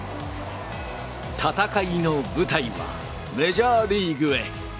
戦いの舞台はメジャーリーグへ。